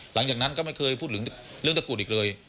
หลังจากนั้นก็ไม่เคยพูดถึงเรื่องตะกรุดอีกเลย